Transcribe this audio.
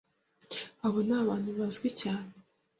Abo ni abantu bazwi cyane.